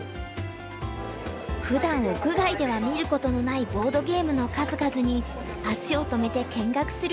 ふだん屋外では見ることのないボードゲームの数々に足を止めて見学する人も。